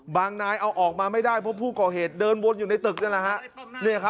บางนายเอาออกมาไม่ได้เพราะผู้ก่อเหตุเดินวนอยู่ในตึก